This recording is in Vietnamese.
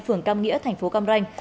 phường cam nghĩa thành phố cam ranh